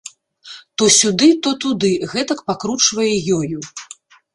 То сюды, то туды гэтак пакручвае ёю.